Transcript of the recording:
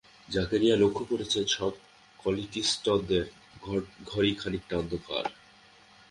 জাকারিয়া লক্ষ করেছেন সব কোয়ালিস্টদের ঘরই খানিকটা অন্ধকার।